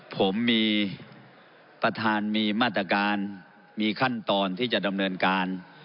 ผมมีประธานมีมาตรการมีขั้นตอนที่จะดำเนินการ